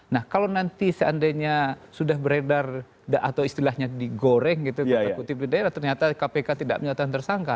nah kalau nanti seandainya sudah beredar atau istilahnya digoreng gitu tanda kutip di daerah ternyata kpk tidak menyatakan tersangka